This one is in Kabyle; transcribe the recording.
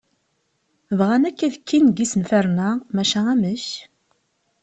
Bɣan akk ad kkin deg yisenfaṛen-a maca amek?